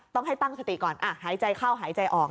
ต้องให้ตั้งสติก่อนหายใจเข้าหายใจออก